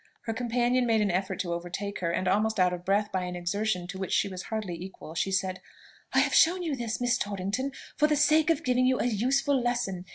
Her companion made an effort to overtake her, and, almost out of breath by an exertion to which she was hardly equal, she said, "I have shown you this, Miss Torrington, for the sake of giving you a useful lesson.